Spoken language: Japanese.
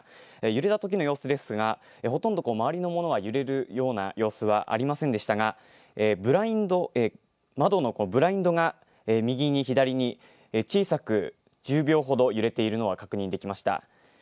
揺れたときの様子ですが、ほとんど周りのものが揺れるような様子はありませんでしたが、ブラインド、窓のブラインドが右に左に小さく１０秒ほど揺れているのが確認できました。